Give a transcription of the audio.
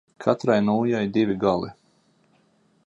Katrai nūjai divi gali.